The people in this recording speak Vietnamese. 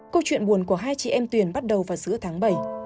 câu chuyện buồn của hai chị em tuyển bắt đầu vào giữa tháng bảy